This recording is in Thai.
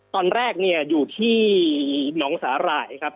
ตอนแรกอยู่ที่นองสระหลายครับ